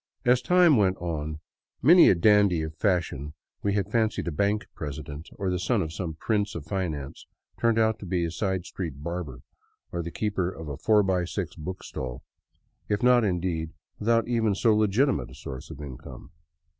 As time went on many a dandy of fashion we had fancied a bank president, or the son of some prince of finance, turned out to be a side street barber, or the keeper of a four by six book stall, if not indeed without even so legitimate a source of income.